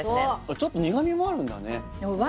ちょっと苦味もあるんだね